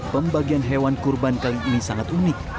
pembagian hewan kurban kali ini sangat unik